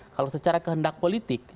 kalau secara kehendak politik